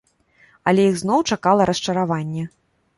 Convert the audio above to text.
Але іх зноў чакала расчараванне.